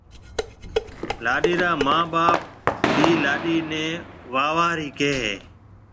لاڏيَ را مان ٻاپ بي لاڏيِ نَي ووارِي ڪهيَ هيَ۔